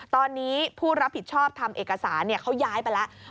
ตอนนี้ผู้รับผิดชอบทำเอกสารเขาย้ายไปแล้ว